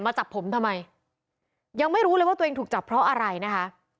จับผมทำไมยังไม่รู้เลยว่าตัวเองถูกจับเพราะอะไรนะคะ